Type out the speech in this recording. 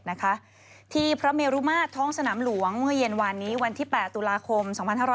นะคะที่พระเมรุมาตรท้องสนามหลวงเมื่อเย็นวานนี้วันที่๘ตุลาคม๒๕๖๐